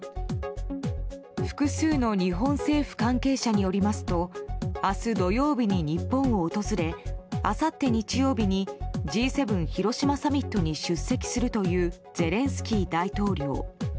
複数の日本政府関係者によりますと明日土曜日に日本を訪れあさって、日曜日にＧ７広島サミットに出席するというゼレンスキー大統領。